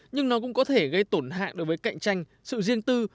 nhưng nó cũng có thể gây tổn hạng đối với cạnh tranh sự riêng tư